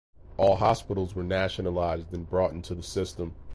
All hospitals were nationalized and brought into the system.